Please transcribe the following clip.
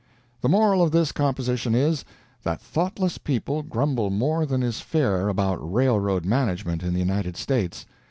The moral of this composition is, that thoughtless people grumble more than is fair about railroad management in the United States.